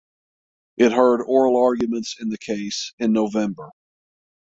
It heard oral arguments in the case in November.